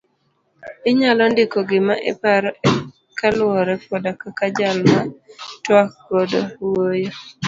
Inyalo ndiko gima iparo e kaluowore koda kaka jal ma itwak godo wuoyo.